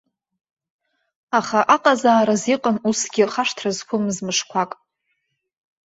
Аха аҟазаараз иҟан усгьы хашҭра зқәымыз мышқәак.